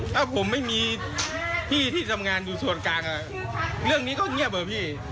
ถ้าผมไม่มีพี่ที่ทำงานอยู่ส่วนกลางเรื่องนี้ก็เงียบเหรอพี่